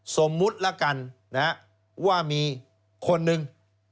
สมมุติละกันว่ามีคนนึง